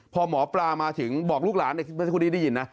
พอหมอปลามาถึงบอกลูกหลานเมื่อสักครู่นี้ได้ยินนะ